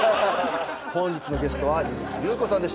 本日のゲストは柚月裕子さんでした。